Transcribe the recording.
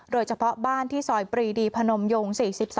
โดยเฉพาะบ้านที่ซอยปรีดีพนมยง๔๒